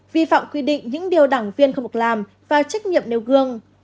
vi phạm quy định những điều đảng viên không được làm và trách nhiệm nêu gương